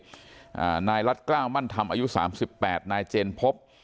อ่านายรัฐกล้าวมั่นธรรมอายุสามสิบแปดนายเจนพบ